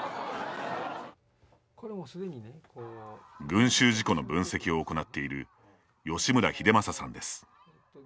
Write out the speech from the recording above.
群衆事故の分析を行っている吉村英祐さんです。